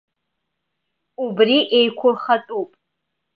Убри еиқәырхатәуп.